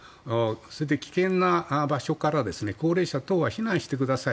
それで危険な場所から高齢者等は避難してください。